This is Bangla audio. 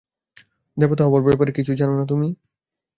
দেবতা হবার ব্যাপারে কিছুই জানো না তুমি।